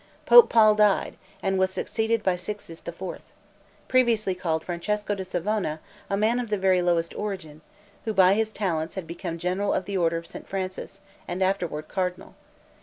Pope Paul died, and was succeeded by Sixtus IV. previously called Francesco da Savona, a man of the very lowest origin, who by his talents had become general of the order of St. Francis, and afterward cardinal.